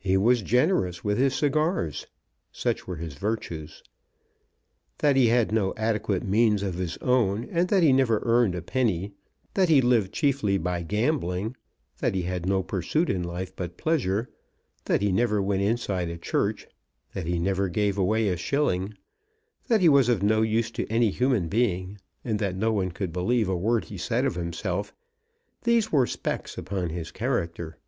He was generous with his cigars. Such were his virtues. That he had no adequate means of his own and that he never earned a penny, that he lived chiefly by gambling, that he had no pursuit in life but pleasure, that he never went inside a church, that he never gave away a shilling, that he was of no use to any human being, and that no one could believe a word he said of himself, these were specks upon his character.